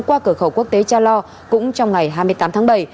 qua cửa khẩu quốc tế cha lo cũng trong ngày hai mươi tám tháng bảy